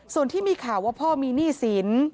ส่วนที่มีข่าวว่าพ่อมีหนี้สิน